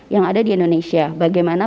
yang ada di indonesia bagaimana